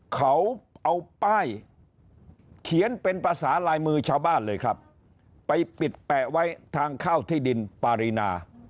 เขาเอาป้ายเขียนเป็นภาษาลายมือชาวบ้านเลยครับไปปิดแปะไว้ทางเข้าที่ดินปารีนา